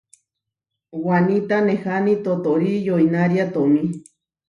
Waníta neháni totóri yoinária tomí.